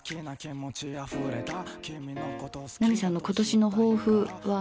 奈美さんの今年の抱負は？